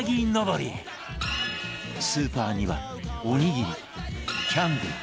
スーパーにはおにぎりキャンディー